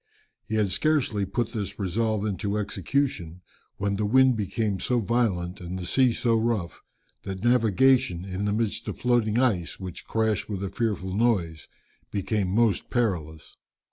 He had scarcely put this resolve into execution when the wind became so violent, and the sea so rough, that navigation, in the midst of floating ice, which crashed with a fearful noise, became most perilous.